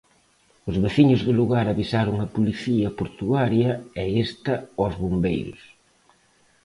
Os veciños do lugar avisaron a policía portuaria e esta aos bombeiros.